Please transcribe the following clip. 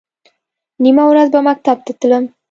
نیمه ورځ به مکتب ته تلم.